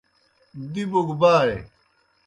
دِبوْ گہ بائے۔